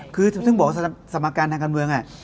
คือถึงบอกว่าสมการทางการเมือง